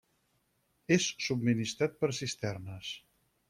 És subministrat per cisternes.